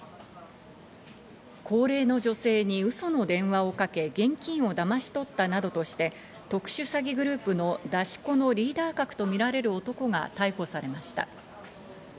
高齢の女性にウソの電話をかけ、現金をだまし取ったなどとして、特殊詐欺グループの出し子のリーダー格とみられる男が逮捕されました。